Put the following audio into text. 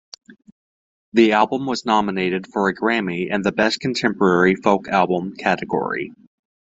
The album was nominated for a Grammy in the Best Contemporary Folk Album category.